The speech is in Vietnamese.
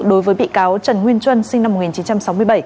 đối với bị cáo trần nguyên trân sinh năm một nghìn chín trăm sáu mươi bảy